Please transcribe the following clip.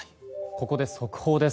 ここで速報です。